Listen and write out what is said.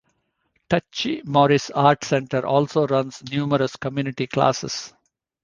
Tacchi-Morris Arts Centre also runs numerous community classes.